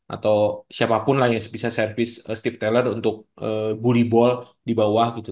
atau siapapun lah yang bisa service steve taylor untuk bully ball di bawah gitu